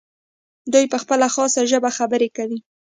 دوی په خپله خاصه ژبه خبرې کوي.